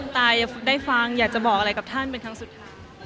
ตาอยากได้ฟังอยากจะบอกอะไรกับท่านเป็นครั้งสุดท้าย